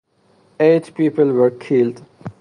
Eight people were killed.